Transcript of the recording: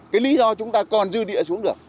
cái lý do chúng ta còn dư địa xuống được